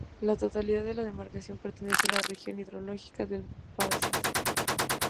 La totalidad de la demarcación pertenece a la región hidrológica del Balsas.